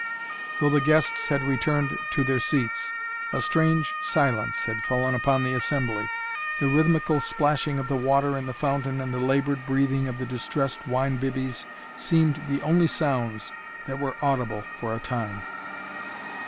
Though the guests had returned to their seats, a strange silence had fallen upon the assembly. The rhythmical splashing of the water in the fountain and the labored breathing of the distressed wine Bibbie's seemed the only sounds that were audible for a time.